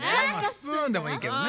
スプーンでもいいけどね。